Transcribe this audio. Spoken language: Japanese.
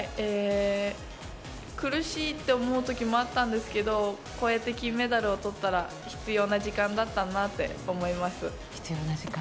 苦しいって思う時もあったんですけどこうやって金メダルをとったら必要な時間だったんだなって思います。